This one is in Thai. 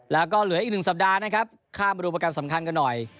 แล้วก็เหลืออีก๑สัปดาห์นะครับข้ามมาดูโปรแกรมสำคัญกันหน่อย